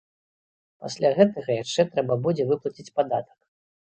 Пасля гэтага яшчэ трэба будзе выплаціць падатак.